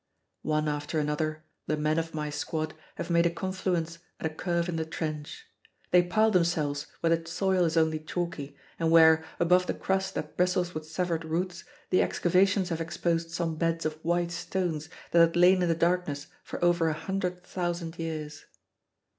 One after another the men of my squad have made a confluence at a curve in the trench. They pile themselves where the soil is only chalky, and where, above the crust that bristles with severed roots, the excavations have exposed some beds of white stones that had lain in the darkness for over a hundred thousand years.